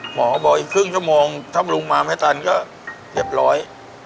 หมอบอกอีกครึ่งชั่วโมงถ้าลุงมาไม่ทันก็เรียบร้อย